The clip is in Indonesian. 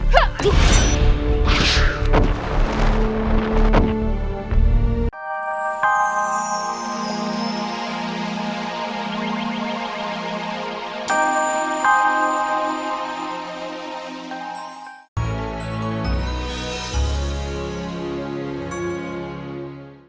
kamu akan kehilangan pitalok